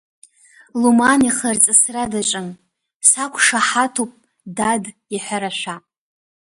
Луман ихы арҵысра даҿын, сақәшаҳаҭуп, дад иҳәарашәа.